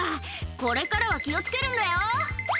これからは気を付けるんだよ」